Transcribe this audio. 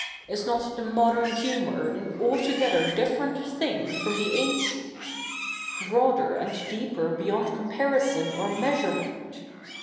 Is 7iot the modern hu7?iour an altogether diffe7 ent thi7ig fro77i the ancie9it — b7 oader and deeper beyond com pariso7i or ?7ieasu7'e77ie7it